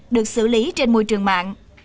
được xử lý trên môi trường mạng